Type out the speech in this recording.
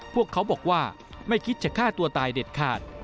พวกเขาบอกว่าไม่คิดจะฆ่าตัวตายเด็ดขาด